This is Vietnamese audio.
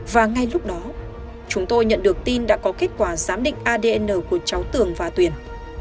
và ngay lúc đó chúng tôi nhận được tin đã có kết quả giám định adn của cháu tường và tuyền